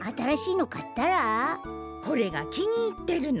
これがきにいってるの。